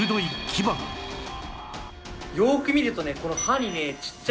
よーく見るとね